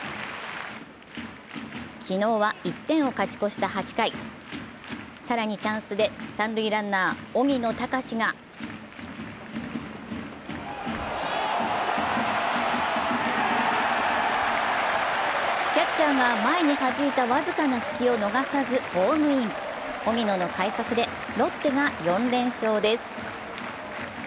昨日は１点を勝ち越した８回更にチャンスで三塁ランナー・荻野貴司がキャッチャーが前にはじいたわずかな隙を逃さずホームイン、荻野の快足でロッテが４連勝です。